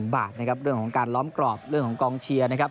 บาทนะครับเรื่องของการล้อมกรอบเรื่องของกองเชียร์นะครับ